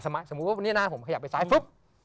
สมัยสมมุติว่าเนี่ยหน้าผมขยับไปซ้ายฟุ๊บ